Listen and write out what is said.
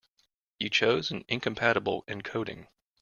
You chose an incompatible encoding.